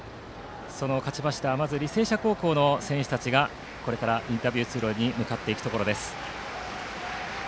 勝ちました履正社高校の選手たちがこれからインタビュー通路に向かっていくところです。